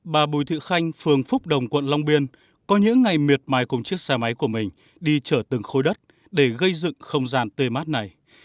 bà bùi thị khanh phường phúc đồng quận long biên có những ngày miệt mài cùng chiếc xe máy của mình đi trở từng khối đất để gây dựng không gian tê mát này